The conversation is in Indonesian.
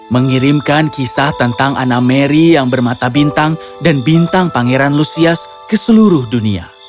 mengirimkan kisah tentang anna mary yang bermata bintang dan bintang pangeran lusias ke seluruh dunia